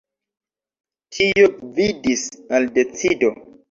Tio gvidis al decido.